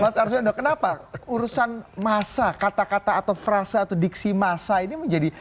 mas arswendo kenapa urusan masa kata kata atau frasa atau diksi masa ini menjadi